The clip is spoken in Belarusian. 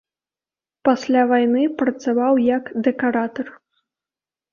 Пасля вайны працаваў як дэкаратар.